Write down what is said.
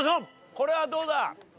これはどうだ？